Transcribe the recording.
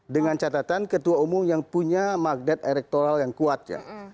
dengan catatan ketua umum yang punya magnet elektoral yang kuat ya